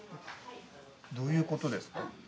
どういうことですか？